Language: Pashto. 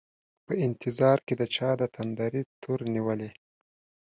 په انتظار کي د چا دتندري تور نیولي